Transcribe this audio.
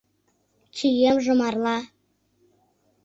Чиемже марла.